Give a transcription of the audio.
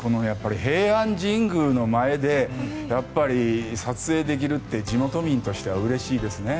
平安神宮の前でやっぱり撮影できるって地元民としてはうれしいですね。